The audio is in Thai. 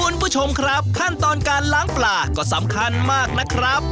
คุณผู้ชมครับขั้นตอนการล้างปลาก็สำคัญมากนะครับ